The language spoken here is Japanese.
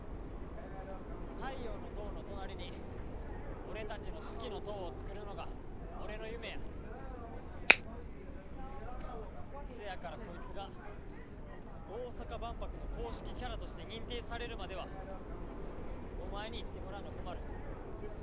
太陽の塔の隣に俺たちの月の塔を造るのが俺の夢やせやからこいつが大阪万博の公式キャラとして認定されるまではお前に生きてもらわな困る